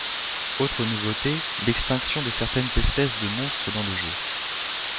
Autre nouveauté, l'extinction de certaines espèces de monstres dans le jeu.